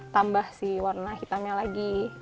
tambah si warna hitamnya lagi